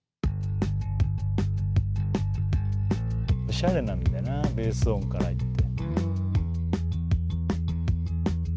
おしゃれなんだなベース音からいって。